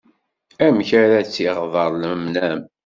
Amek ara tt-iɣḍer lemnam.